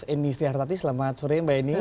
indi istri hartati selamat sore mbak indi